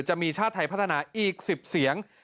จะมีชาติไทยพัฒนาอีก๑๐เสียง